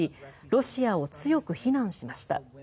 ロシアを強く非難しました。